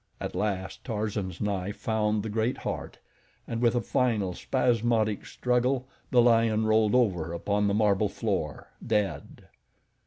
At last Tarzan's knife found the great heart, and with a final, spasmodic struggle the lion rolled over upon the marble floor, dead.